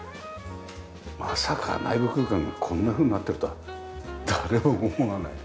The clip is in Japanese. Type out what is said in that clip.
まさか内部空間がこんなふうになってるとは誰も思わない。